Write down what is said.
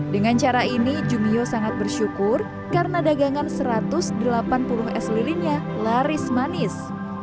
dengan cara ini jumio sangat bersyukur karena dagangan satu ratus delapan puluh es lilinnya laris manis